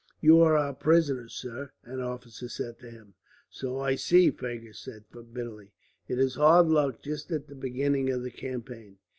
"You are our prisoner, sir," an officer said to him. "So I see," Fergus said bitterly. "It is hard luck, just at the beginning of the campaign."